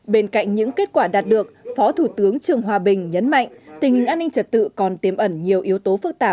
bên cạnh những kết quả đạt được phó thủ tướng trường hòa bình nhấn mạnh tình hình an ninh trật tự còn tiêm ẩn nhiều yếu tố phức tạp